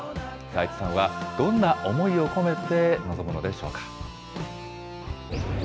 財津さんはどんな思いを込めて臨むのでしょうか。